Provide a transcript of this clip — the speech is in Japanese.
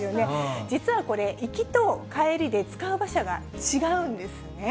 実はこれ、行きと帰りで使う馬車が違うんですね。